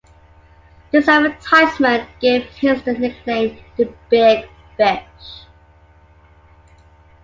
This advertisement gave Hinske the nickname "The Big Fish".